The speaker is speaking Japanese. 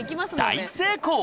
大成功！